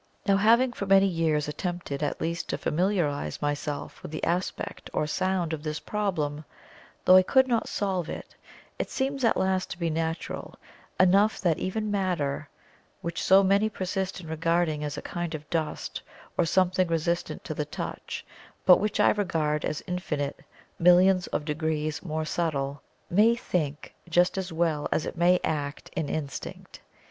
Now, having for many years attempted at least to familiarize myself with the aspect or sound, of this problem, though I could not solve it, it seems at last to be natural enough that even matter (which so many persist in regarding as a kind of dust or something resistant to the touch, but which I regard as infinite millions of degrees more subtle), may think just as well as it may act in Instinct.